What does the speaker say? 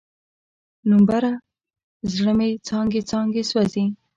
نومبره، زړه مې څانګې، څانګې سوزي